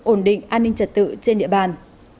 ổn định an ninh trật tự trên địa bàn